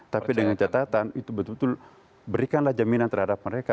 tapi dengan catatan itu betul betul berikanlah jaminan terhadap mereka